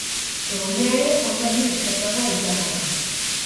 Euria ere ohi baino eskasagoa izango da.